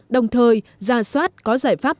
đồng thời gia soát có giải pháp